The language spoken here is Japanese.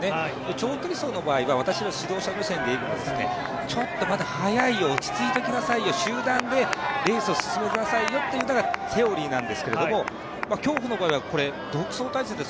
長距離走の場合は私は指導者目線でいうと、ちょっとまだ速いよ、落ち着いてきなさいよ、集団でレースを進めなさいよというのがセオリーなんですけども競歩の場合は独走態勢で